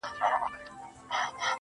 غربت مي شپې يوازي کړيدي تنها يمه زه.